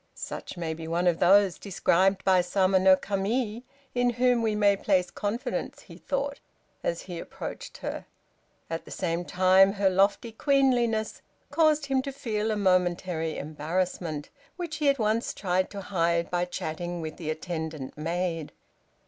"Such may be one of those described by Sama no Kami, in whom we may place confidence," he thought, as he approached her. At the same time, her lofty queenliness caused him to feel a momentary embarrassment, which he at once tried to hide by chatting with the attendant maid.